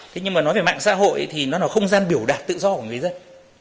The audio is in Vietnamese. thế nhưng mà nói về mạng xã hội thì nó là không gian biểu đạt tự do của người dân